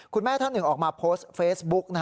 คุณแม่ท่านหนึ่งออกมาโพสต์เฟซบุ๊ก